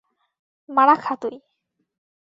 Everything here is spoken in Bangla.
মারা খা তুই!